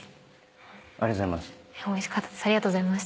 ありがとうございます。